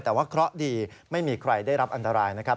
แต่ว่าเคราะห์ดีไม่มีใครได้รับอันตรายนะครับ